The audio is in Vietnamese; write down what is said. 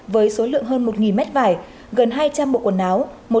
với số lượng hơn một mét vải gần hai trăm linh bộ quần áo